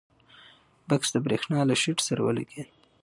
بکس د برېښنا له شیټ سره ولګېد.